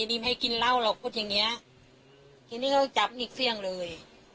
นี่ไม่ให้กินเหล้าหรอกพูดอย่างเงี้ยทีนี้เขาจับหนี้เฟี่ยงเลย